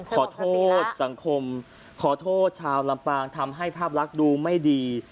ขอโทษสังคมขอโทษชาวลำปางทำให้ภาพลักษณ์ดูไม่ดี